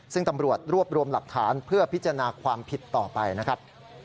ซึ่งตำรวจรวบรวมหลักฐานเพื่อพิจารณาความผิดต่อไปนะครับ